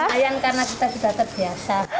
ayan karena kita sudah terbiasa